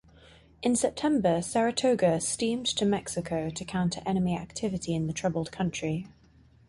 In September, "Saratoga" steamed to Mexico to counter enemy activity in the troubled country.